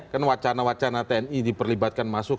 kan wacana wacana tni diperlibatkan masuk